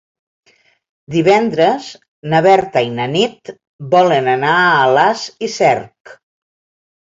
Divendres na Berta i na Nit volen anar a Alàs i Cerc.